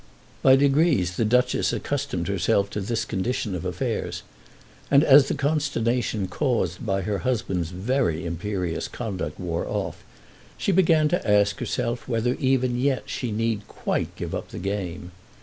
By degrees the Duchess accustomed herself to this condition of affairs, and as the consternation caused by her husband's very imperious conduct wore off, she began to ask herself whether even yet she need quite give up the game.